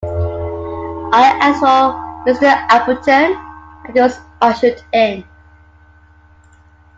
I asked for Mr Appleton, and was ushered in.